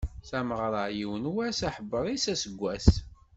Tameɣra, yiwen wass, aḥebber-is aseggas.